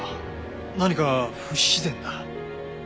何か不自然だ。